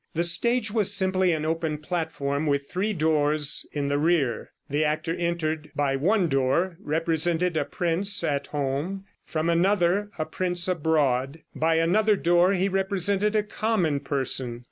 The stage was simply an open platform, with three doors in the rear. The actor entering by one door represented a prince at home; from another a prince abroad; by another door he represented a common person.